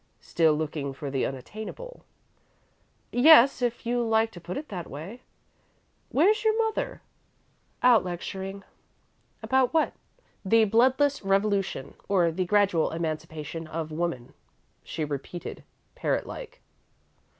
"Still looking for the unattainable?" "Yes, if you like to put it that way." "Where's your mother?" "Out lecturing." "What about?" "The Bloodless Revolution, or the Gradual Emancipation of Woman," she repeated, parrot like.